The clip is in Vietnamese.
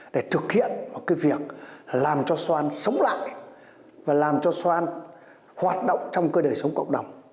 để thực hiện một cái việc làm cho soan sống lại và làm cho soan hoạt động trong cơ đời sống cộng đồng